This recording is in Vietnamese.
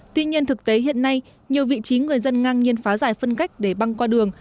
tuy nhiên thực tế hiện nay nhiều vị trí người dân ngang nhiên phá giải phân cách để băng qua đường